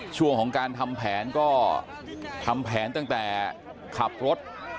ช่วงของการทำแผนก็ทำแผนตั้งแต่ขับรถ